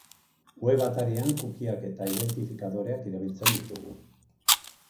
Web atarian cookieak eta identifikadoreak erabiltzen ditugu.